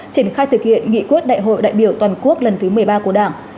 triển khai thực hiện nghị quyết đại hội đại biểu toàn quốc lần thứ một mươi ba của đảng